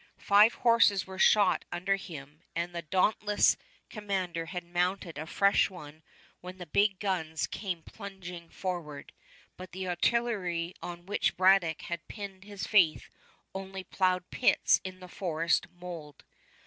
Five horses were shot under him and the dauntless commander had mounted a fresh one when the big guns came plunging forward; but the artillery on which Braddock had pinned his faith only plowed pits in the forest mold.